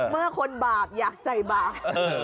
เมื่อคนบาปอยากใส่บาป